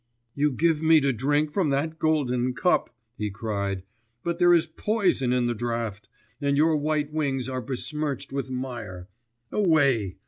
'You give me to drink from that golden cup,' he cried, 'but there is poison in the draught, and your white wings are besmirched with mire.... Away!